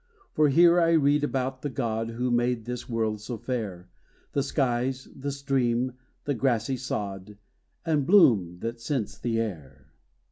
For here I read about the God, Who made this world so fair, The skies the stream the grassy sod And bloom, that scents the air.